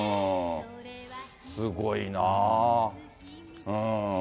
すごいなぁ。